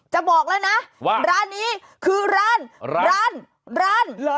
จะบอกเลยนะว่าร้านนี้คือร้านร้านร้าน